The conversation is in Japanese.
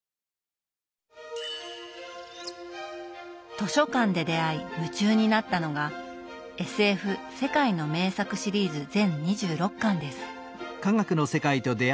図書館で出会い夢中になったのが「ＳＦ世界の名作」シリーズ全２６巻です。